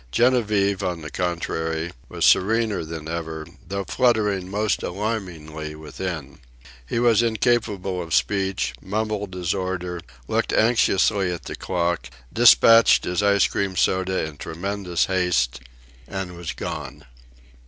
Genevieve, on the contrary, was serener than ever, though fluttering most alarmingly within. He was incapable of speech, mumbled his order, looked anxiously at the clock, despatched his ice cream soda in tremendous haste, and was gone.